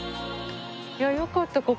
いやよかった。